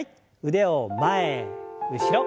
腕を前後ろ。